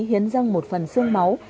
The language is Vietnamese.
hiến răng một phần xương máu